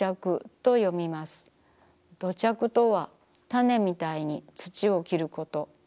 土着とは種みたいに土を着ること。